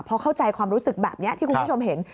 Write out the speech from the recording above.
พอเข้าใจความรู้สึกแบบนี้ที่คุณผู้ชมเห็น